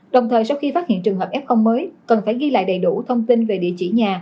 đồng thời sau khi phát hiện trường hợp f mới cần phải ghi lại đầy đủ thông tin về địa chỉ nhà